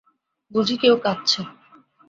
বুঝি কেউ কাঁদছে।